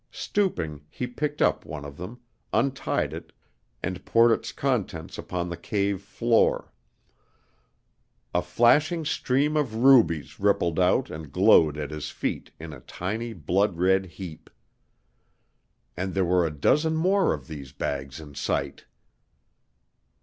Stooping, he picked up one of them, untied it and poured its contents upon the cave floor; a flashing stream of rubies rippled out and glowed at his feet in a tiny, blood red heap. And there were a dozen more of these bags in sight!